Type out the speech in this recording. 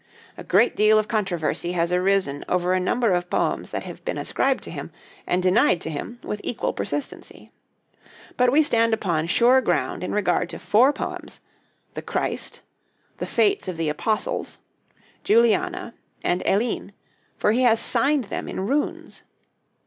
A great deal of controversy has arisen over a number of poems that have been ascribed to him and denied to him with equal persistency. But we stand upon sure ground in regard to four poems, the 'Christ,' the 'Fates of the Apostles,' 'Juliana,' and 'Elene'; for he has signed them in runes.